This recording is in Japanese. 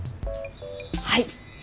はい。